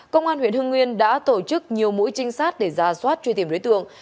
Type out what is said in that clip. công an huyện hưng nguyên đã tổ chức nhiều mũi trinh sát để ra soát truy tìm đối tượng